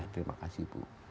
terima kasih ibu